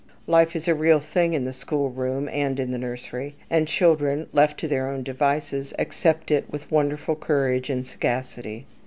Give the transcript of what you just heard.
Life is a real thing in the school room and in the nursery; and children left to their own devices accept it with wonderful courage and sagacity.